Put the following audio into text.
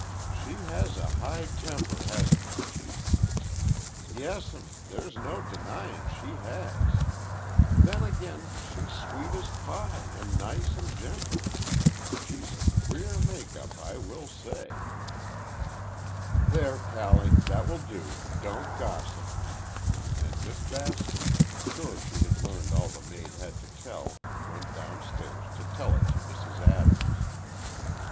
"She has a high temper, hasn't she?" "Yes'm, there's no denyin' she has. Then again, she's sweet as pie, and nice an' gentle. She's a queer makeup, I will say." "There, Callie, that will do; don't gossip," and Miss Bascom, sure she had learned all the maid had to tell, went downstairs to tell it to Mrs. Adams.